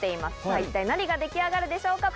さぁ一体何が出来上がるでしょうか？